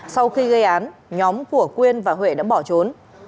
sau khi gây án nhóm của quyên và huệ đã bỏ trốn